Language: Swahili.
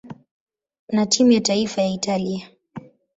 na timu ya taifa ya Italia.